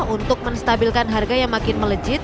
untuk menstabilkan harga yang makin melejit